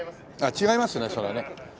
違いますねそれはね。